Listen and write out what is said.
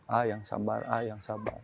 ah yang sabar ah yang sabar